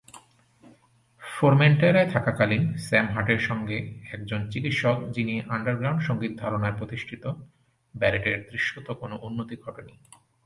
ফোরমেন্টেরায় থাকাকালীন, স্যাম হাটের সঙ্গে, একজন চিকিৎসক যিনি আন্ডারগ্রাউন্ড সঙ্গীত ধারণায় প্রতিষ্ঠিত, ব্যারেটের দৃশ্যত কোনো উন্নতি ঘটে নি।